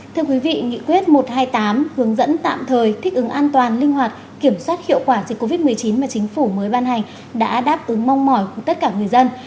thưa quý vị nghị quyết một trăm hai mươi tám hướng dẫn tạm thời thích ứng an toàn linh hoạt kiểm soát hiệu quả dịch covid một mươi chín mà chính phủ mới ban hành đã đáp ứng mong mỏi của tất cả người dân